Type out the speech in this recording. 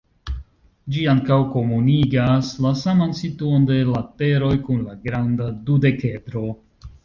Ĝi ankaŭ komunigas la saman situon de lateroj kun la granda dudekedro.